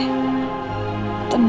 tenang elsa tendang